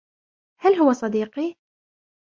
هل هو صديقي ؟